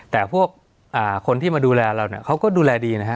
แต่พวกคนที่มาดูแลเราเนี่ยเขาก็ดูแลดีนะฮะ